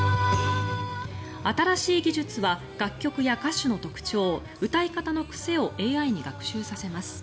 新しい技術は楽曲や歌詞の特徴、歌い方の癖をＡＩに学習させます。